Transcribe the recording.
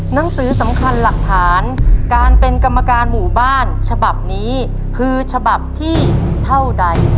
หนังสือสำคัญหลักฐานการเป็นกรรมการหมู่บ้านฉบับนี้คือฉบับที่เท่าใด